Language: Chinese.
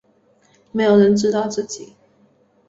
没有人知道自己